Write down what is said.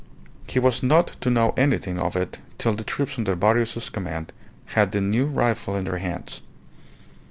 He was not to know anything of it till the troops under Barrios's command had the new rifle in their hands.